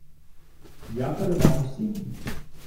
Я передам усім.